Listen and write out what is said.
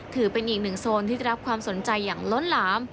ถือเป็นอีกหนึ่งโซนที่ได้รับความสนใจอย่างล้นหลาม